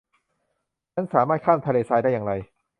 ฉันสามารถข้ามทะเลทรายได้อย่างไร